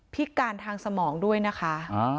พิการทางสมองด้วยนะคะ